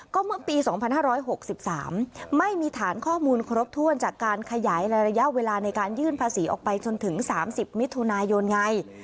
ก็เมื่อปีสองพันห้าร้อยหกสิบสามไม่มีฐานข้อมูลครบถ้วนจากการขยายระยะเวลาในการยื่นภาษีออกไปจนถึงสามสิบมิตรทุนายนไง